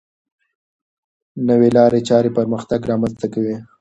نوې لارې چارې پرمختګ رامنځته کوي.